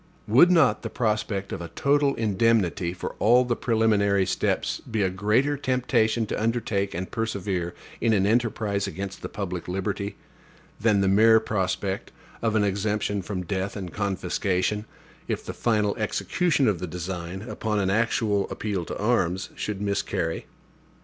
Would not the prospect of a total indemnity for all the preliminary steps be a greater temptation to undertake and persevere in an enterprise against the public liberty, than the mere prospect of an exemption from death and confiscation, if the final execution of the design, upon an actual appeal to arms, should miscarry?